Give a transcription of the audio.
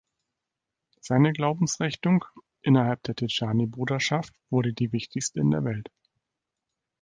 Seine Glaubensrichtung innerhalb der Tidschani-Bruderschaft wurde die wichtigste in der Welt.